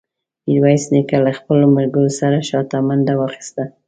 میرویس نیکه له خپلو ملګرو سره شاته منډه واخیسته.